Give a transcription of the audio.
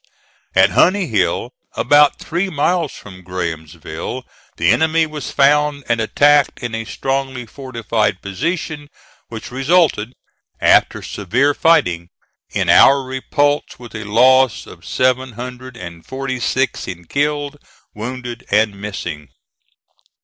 At Honey Hill, about three miles from Grahamsville, the enemy was found and attacked in a strongly fortified position, which resulted, after severe fighting, in our repulse with a loss of seven hundred and forty six in killed, wounded, and missing.